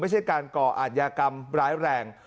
ไม่ใช่การก่ออาจยากรรมร้ายแรง